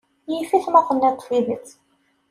Yif-it ma tenniḍ-d tidet.